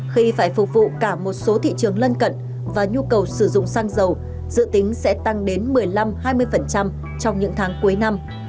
khi phải phục vụ cả một số thị trường lân cận và nhu cầu sử dụng xăng dầu dự tính sẽ tăng đến một mươi năm hai mươi trong những tháng cuối năm